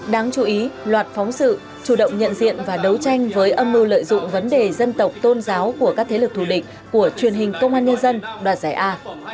đáng chú ý loạt phóng sự chủ động nhận diện và đấu tranh với âm mưu lợi dụng vấn đề dân tộc tôn giáo của các thế lực thù địch của truyền hình công an nhân dân đoạt giải a